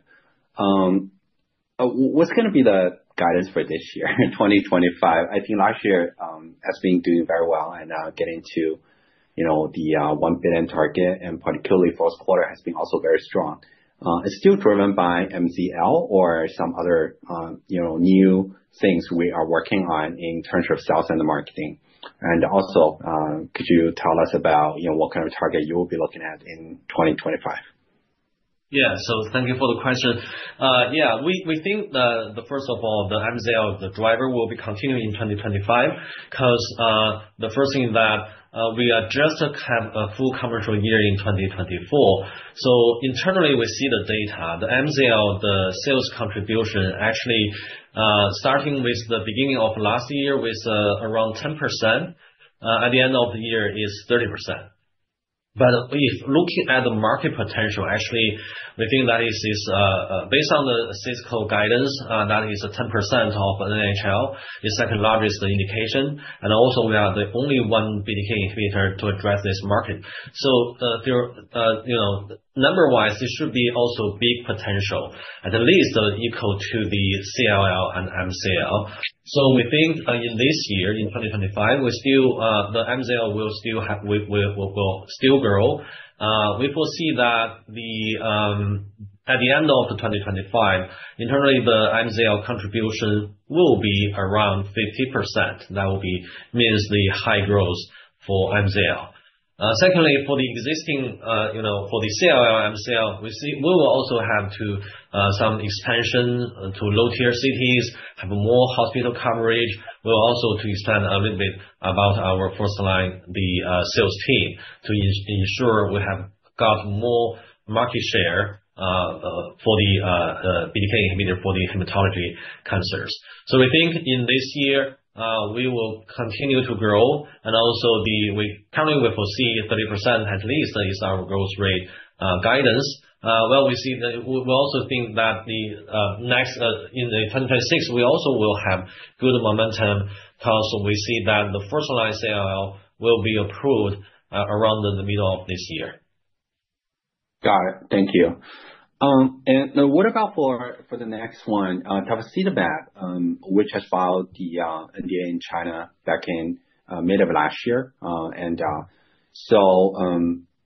What's going to be the guidance for this year, 2025? I think last year has been doing very well and getting to the $1 billion target, and particularly first quarter has been also very strong. Is it still driven by MZL or some other new things we are working on in terms of sales and the marketing. Also, could you tell us about what kind of target you will be looking at in 2025? Yeah, thank you for the question. Yeah, we think that first of all, the MZL, the driver, will be continuing in 2025 because the first thing is that we just have a full commercial year in 2024. Internally, we see the data. The MZL, the sales contribution, actually starting with the beginning of last year was around 10%. At the end of the year, it is 30%. If looking at the market potential, actually, we think that is based on the Cisco guidance, that is 10% of NHL, the second largest indication. Also, we are the only one BTK inhibitor to address this market. Number-wise, there should be also big potential, at least equal to the CLL and MCL. We think in this year, in 2025, the MZL will still grow. We foresee that at the end of 2025, internally, the MZL contribution will be around 50%. That will mean the high growth for MZL. Secondly, for the existing CLL, MCL, we will also have to have some expansion to low-tier cities, have more hospital coverage. We will also expand a little bit about our first line, the sales team, to ensure we have got more market share for the BTK inhibitor for the hematology cancers. We think in this year, we will continue to grow. Also, currently, we foresee 30% at least is our growth rate guidance. We also think that in 2026, we also will have good momentum because we see that the first line CLL will be approved around the middle of this year. Got it. Thank you. What about for the next one? Tafasitamab, which has filed the NDA in China back in mid of last year.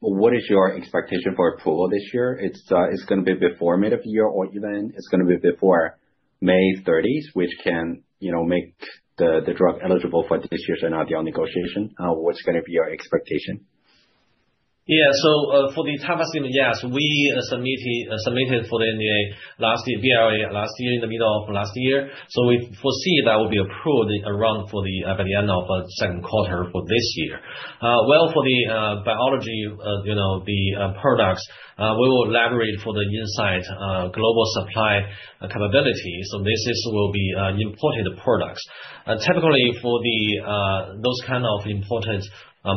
What is your expectation for approval this year? Is it going to be before mid of the year or even before May 30, which can make the drug eligible for this year's NLDL negotiation? What's going to be your expectation? Yeah, so for the Tafasitamab, yes, we submitted for the NDA last year, VRA last year in the middle of last year. We foresee that will be approved around the end of the second quarter for this year. For the biologic products, we will elaborate for the inside global supply capability. This will be imported products. Typically, for those kind of important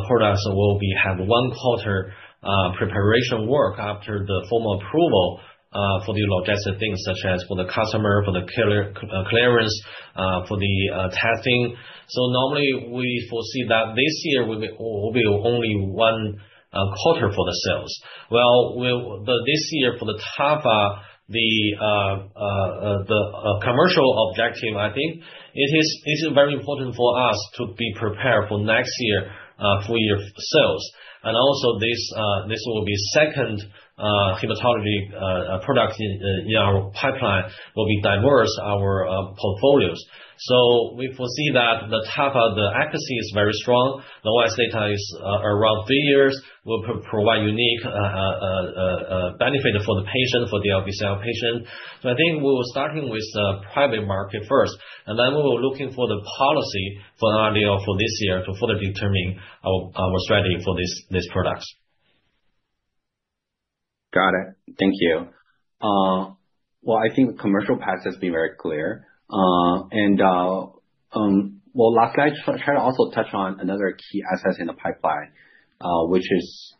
products, we will have one quarter preparation work after the formal approval for the logistic things such as for the customer, for the clearance, for the testing. Normally, we foresee that this year will be only one quarter for the sales. This year for the TAFA, the commercial objective, I think it is very important for us to be prepared for next year for your sales. Also, this will be second hematology product in our pipeline will be diverse our portfolios. We foresee that the TAFA, the accuracy is very strong. The OS data is around three years. We'll provide unique benefit for the patient, for the LBCL patient. I think we will start with the private market first. Then we will look for the policy for this year to further determine our strategy for these products. Got it. Thank you. I think the commercial path has been very clear. Lastly, I try to also touch on another key asset in the pipeline, which is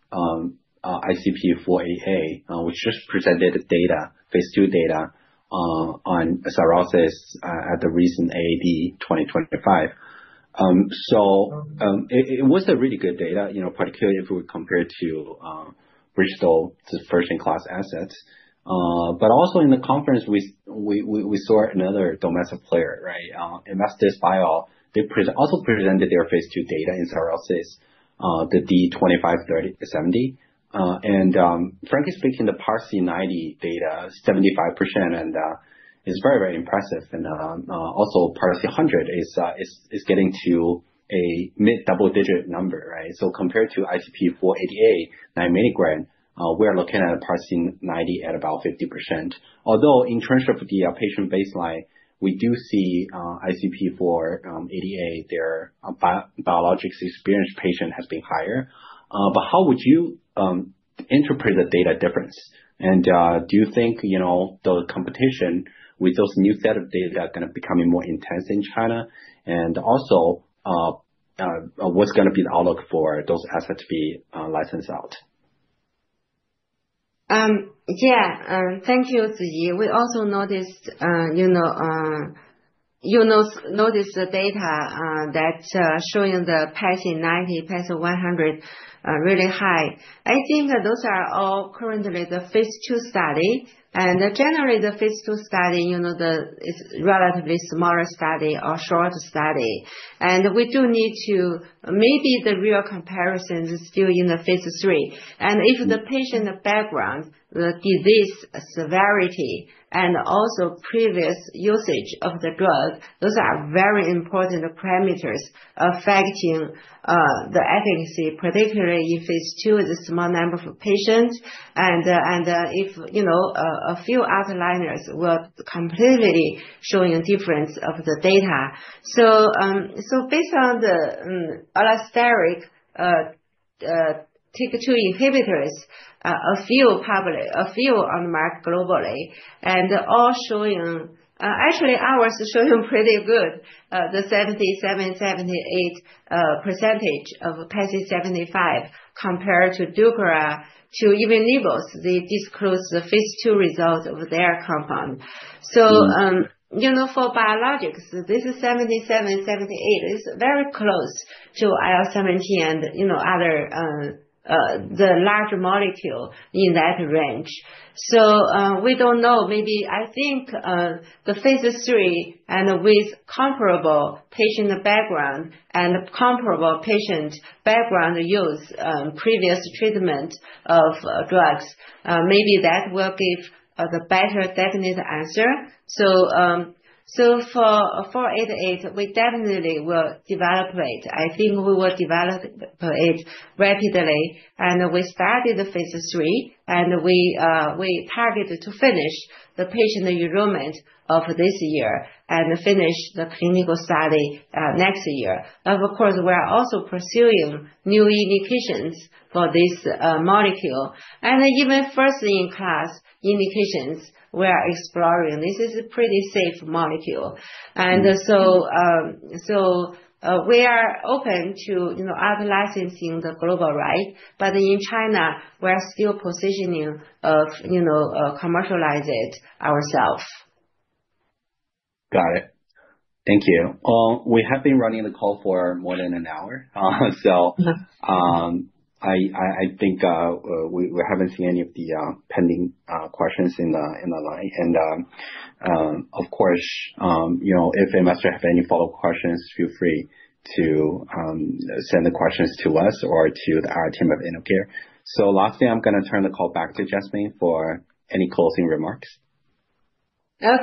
ICP-488, which just presented data, phase two data on cirrhosis at the recent AAD 2025. It was really good data, particularly if we compare to Bridgestone, the first-in-class assets. Also in the conference, we saw another domestic player, right? Investor Bio, they also presented their phase two data in cirrhosis, the D-2570. Frankly speaking, the PARC90 data, 75%, and it is very, very impressive. Also PARC100 is getting to a mid-double-digit number, right? Compared to ICP-488, 9 mg, we are looking at PARC90 at about 50%. Although in terms of the patient baseline, we do see ICP-488, their biologics experienced patient has been higher. How would you interpret the data difference? Do you think the competition with those new set of data is going to become more intense in China? Also, what's going to be the outlook for those assets to be licensed out? Yeah. Thank you, Ziyi. We also noticed the data showing the PARC90, PARC100 really high. I think those are all currently the phase two study. Generally, the phase two study, it's relatively smaller study or short study. We do need to, maybe the real comparisons is still in the phase three. If the patient background, the disease severity, and also previous usage of the drug, those are very important parameters affecting the efficacy, particularly in phase two with a small number of patients. If a few outliers will completely show a difference of the data. Based on the allosteric TYK2 inhibitors, a few on the market globally, and all showing actually ours showing pretty good, the 77-78% of PARC75 compared to Deucravacitinib, they disclose the phase two result of their compound. For biologics, this is 77-78%. It is very close to IL-17 and other large molecules in that range. We do not know. Maybe I think the phase three and with comparable patient background and comparable patient background use previous treatment of drugs, maybe that will give the better definite answer. For ICP-488, we definitely will develop it. I think we will develop it rapidly. We started the phase three, and we target to finish the patient enrollment this year and finish the clinical study next year. Of course, we are also pursuing new indications for this molecule. Even first-in-class indications we are exploring. This is a pretty safe molecule. We are open to outlicensing the global right. In China, we are still positioning to commercialize it ourselves. Got it. Thank you. We have been running the call for more than an hour. I think we have not seen any of the pending questions in the line. Of course, if investors have any follow-up questions, feel free to send the questions to us or to our team at InnoCare. Lastly, I am going to turn the call back to Jasmine for any closing remarks. Thank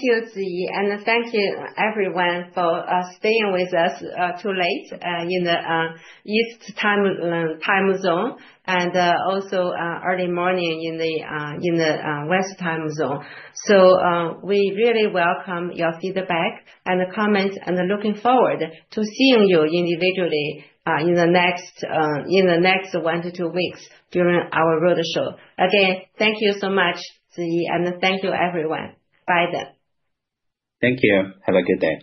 you, Ziyi. Thank you, everyone, for staying with us too late in the east time zone and also early morning in the west time zone. We really welcome your feedback and comments and looking forward to seeing you individually in the next one to two weeks during our roadshow. Again, thank you so much, Ziyi, and thank you, everyone. Bye then. Thank you. Have a good day.